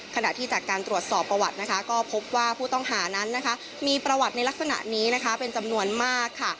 ขณะที่จากการตรวจสอบประวัตินะคะก็พบว่าผู้ต้องหานั้นนะคะมีประวัติในลักษณะนี้นะคะเป็นจำนวนมากค่ะ